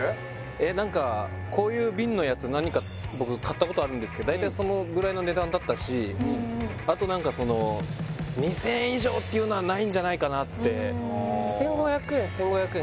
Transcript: え何かこういう瓶のやつ何か僕買ったことあるんですけど大体そのぐらいの値段だったしあと何かその２０００円以上っていうのはないんじゃないかなって１５００円１５００円